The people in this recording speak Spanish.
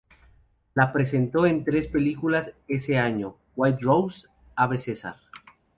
La presentó en tres películas ese año, "White Rose", "Ave Caesar!